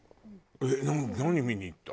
えっ何見に行った？